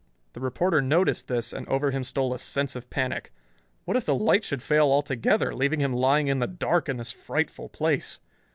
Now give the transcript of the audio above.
The reporter noticed this, and over him stole a sense of panic. What if the light should fail altogether, leaving him lying in the dark in this frightful place!